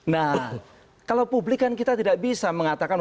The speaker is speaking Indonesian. nah kalau publik kan kita tidak bisa mengatakan